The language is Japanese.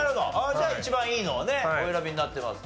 じゃあ一番いいのをお選びになってます。